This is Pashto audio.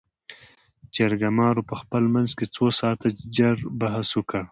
جرګمارو په خپل منځ کې څو ساعاته جړ بحث وکړ.